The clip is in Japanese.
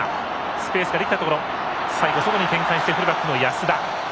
スペースができたところ最後、外に展開してフルバックの安田。